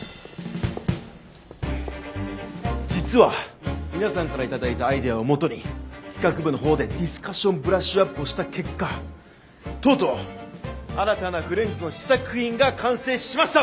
実は皆さんから頂いたアイデアをもとに企画部のほうでディスカッションブラッシュアップをした結果とうとう新たなフレンズの試作品が完成しました！